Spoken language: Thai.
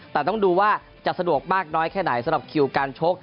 แต่ต้องดูว่าจะสะดวกมากน้อยแค่ไหนสำหรับคิวการชก